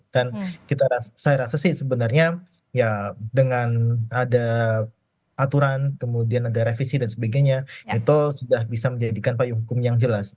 dan saya rasa sih sebenarnya ya dengan ada aturan kemudian ada revisi dan sebagainya itu sudah bisa menjadikan payung hukum yang jelas